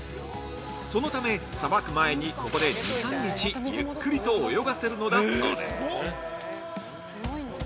そのため、さばく前にここで２３日ゆっくりと泳がせるのだそうです。